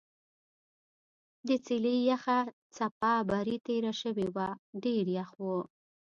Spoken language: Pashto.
د څېلې یخه څپه برې تېره شوې وه ډېر یخ و.